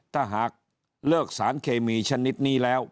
ถ้าหากเลิกสารเคมีชนิดนี้แล้ว